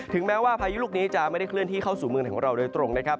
แม้ว่าพายุลูกนี้จะไม่ได้เคลื่อนที่เข้าสู่เมืองของเราโดยตรงนะครับ